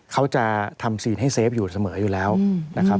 เขาจะทำซีนให้เซฟอยู่เสมออยู่แล้วนะครับ